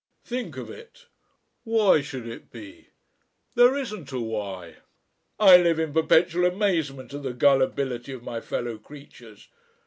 Think of it! Why should it be? There isn't a why! I live in perpetual amazement at the gullibility of my fellow creatures.